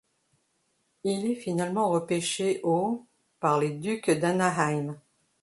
Il est finalement repêché au par les Ducks d'Anaheim.